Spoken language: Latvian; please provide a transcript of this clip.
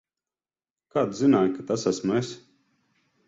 Kā tu zināji, ka tas esmu es?